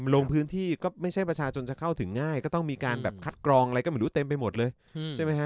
ลงพื้นที่ก็ไม่ใช่ประชาชนจะเข้าถึงง่ายก็ต้องมีการแบบคัดกรองอะไรก็ไม่รู้เต็มไปหมดเลยใช่ไหมฮะ